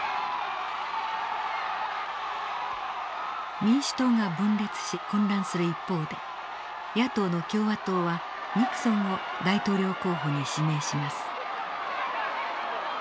民主党が分裂し混乱する一方で野党の共和党はニクソンを大統領候補に指名します。